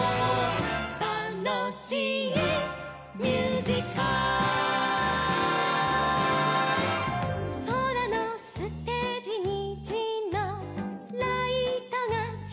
「たのしいミュージカル」「そらのステージにじのライトがきらりん」